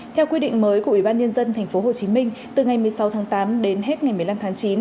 theo quy định mới của ủy ban nhân dân tp hcm từ ngày một mươi sáu tháng tám đến hết ngày một mươi năm tháng chín